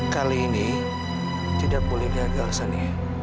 kali ini tidak boleh gagal seni